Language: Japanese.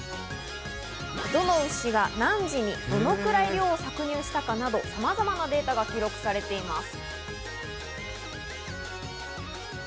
どの牛が何時にどのくらいの量を搾乳したかなど、さまざまなデータが記録されています。